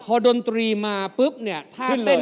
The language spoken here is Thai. อาการแพ้อยู่อย่างหนึ่ง